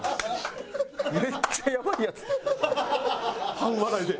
半笑いで。